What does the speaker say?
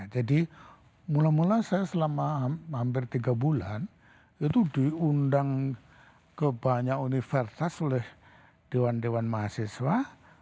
jadi mula mula saya selama hampir tiga bulan itu diundang ke banyak universitas oleh dewan dewan mahasiswa